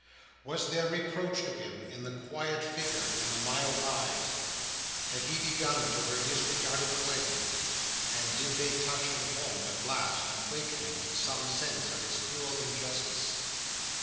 Was there reproach to him in the quiet figure and the mild eyes? Had he begun to feel her disregarded claims and did they touch him home at last, and waken him to some sense of his cruel injustice?